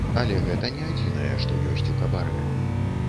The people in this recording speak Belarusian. Але гэта не адзінае, што ёсць у кабарэ.